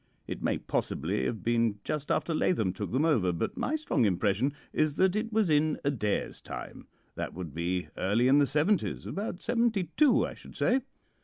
It may possibly have been just after Lathom took them over, but my strong impression is that it was in Adair's time. That would be early in the seventies about seventy two, I should say.